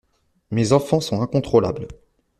Mes enfants sont incontrôlables.